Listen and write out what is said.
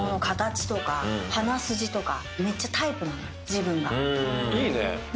自分が。